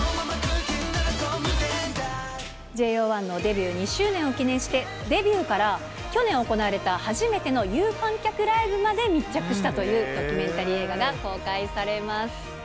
ＪＯ１のデビュー２周年を記念して、デビューから去年行われた初めての有観客ライブまで密着したというドキュメンタリー映画が公開されます。